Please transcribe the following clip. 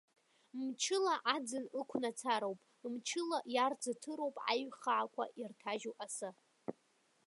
Мчыла аӡын ықәнацароуп, мчыла иарӡыҭыроуп аиҩхаақәа ирҭажьу асы.